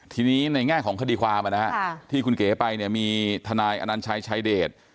ทีนี้ในแง่ของคดีความที่คุณเก๋ไปเนี่ยมีทนายอนัญชัยชายเดช